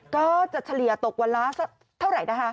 ก็จะเฉลี่ยตกวันละเท่าไรนะคะ